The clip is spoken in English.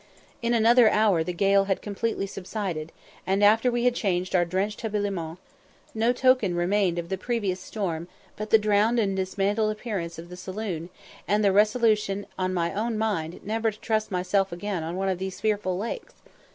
In another hour the gale had completely subsided, and, after we had changed our drenched habiliments, no token remained of the previous storm but the drowned and dismantled appearance of the saloon, and the resolution on my own mind never to trust myself again on one of these fearful lakes.